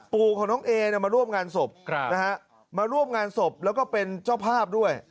ปู่ของน้องเอเนี่ยมาร่วมงานศพนะฮะมาร่วมงานศพแล้วก็เป็นเจ้าภาพด้วย